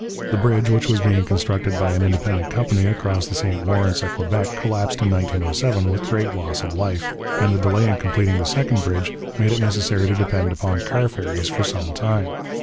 The bridge which was being constructed by an independent company across the St Lawrence at Quebec collapsed in 1907, with great loss of life, and the delay in completing the second bridge made it necessary to depend upon car ferries for some time.